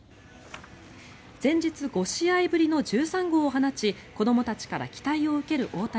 前日、５試合ぶりの１３号を放ち子どもたちから期待を受ける大谷。